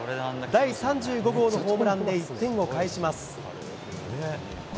第３５号のホームランで１点を返します。